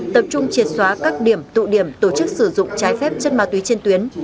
tập trung triệt xóa các điểm tụ điểm tổ chức sử dụng trái phép chất ma túy trên tuyến